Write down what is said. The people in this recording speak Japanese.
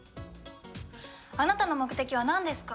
あなたの目的はなんですか？